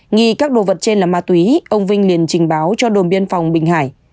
nghi các đồ vật trên là ma túy ông vinh liền trình báo cho đồn biên phòng bình hải